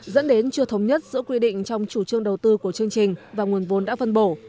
dẫn đến chưa thống nhất giữa quy định trong chủ trương đầu tư của chương trình và nguồn vốn đã phân bổ